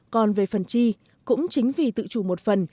còn về phần chi cũng chính vì tự chủ một phần